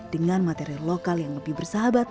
dengan material lokal yang lebih bersahabat